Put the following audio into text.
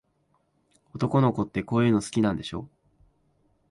男の子って、こういうの好きなんでしょ。